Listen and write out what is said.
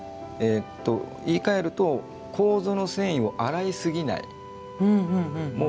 言い換えると楮の繊維を洗いすぎない。